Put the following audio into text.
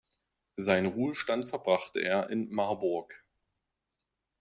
Seinen Ruhestand verbrachte er in Marburg.